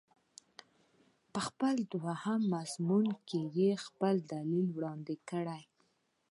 په خپل دوهم مضمون کې یې خپل دلایل وړاندې کړي.